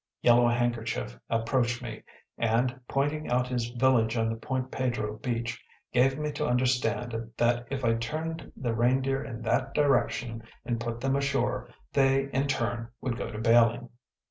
Yellow Handkerchief approached me, and, pointing out his village on the Point Pedro beach, gave me to understand that if I turned the Reindeer in that direction and put them ashore, they, in turn, would go to bailing.